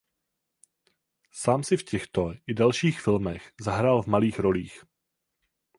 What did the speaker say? Sám si v těchto i dalších filmech zahrál v malých rolích.